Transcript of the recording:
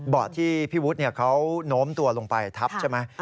ที่พี่วุฒิเขาโน้มตัวลงไปทับใช่ไหม